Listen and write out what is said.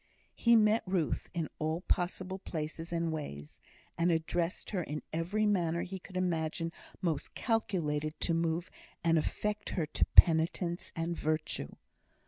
He met Ruth in all possible places and ways, and addressed her in every manner he could imagine most calculated to move and affect her to penitence and virtue.